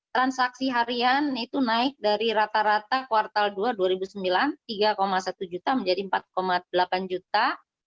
transaksi harian itu naik dari rata rata kuartal dua dua ribu sembilan tiga satu juta menjadi empat delapan juta